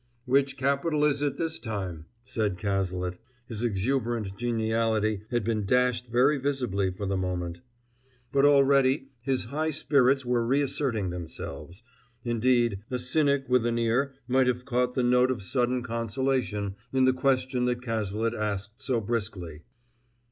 "Which capital is it this time?" said Cazalet. His exuberant geniality had been dashed very visibly for the moment. But already his high spirits were reasserting themselves; indeed, a cynic with an ear might have caught the note of sudden consolation in the question that Cazalet asked so briskly.